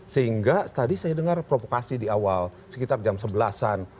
sehingga tadi saya dengar provokasi di awal sekitar jam sebelas an